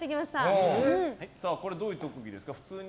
これ、どういう特技ですか？